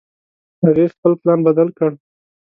هغې خپل پلان بدل کړ